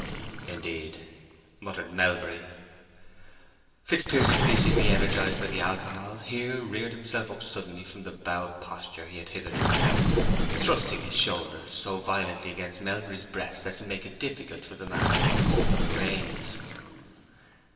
"Indeed!" muttered Melbury. Fitzpiers, increasingly energized by the alcohol, here reared himself up suddenly from the bowed posture he had hitherto held, thrusting his shoulders so violently against Melbury's breast as to make it difficult for the old man to keep a hold on the reins.